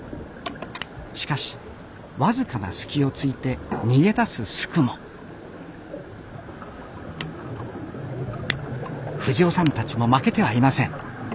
しかし僅かな隙をついて逃げ出すスクも藤夫さんたちも負けてはいません。